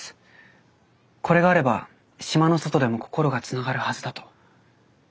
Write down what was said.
これがあれば島の外でも心がつながるはずだと。